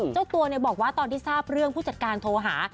เจ้าตัวบอกว่าตอนที่ทราบเรื่องผู้จัดการโทรหา